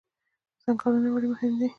ځنګلونه ولې مهم دي؟